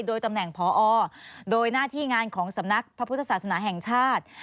โดยตำแหน่งพอโดยหน้าที่งานของสำนักพระพุทธศาสนาแห่งชาติ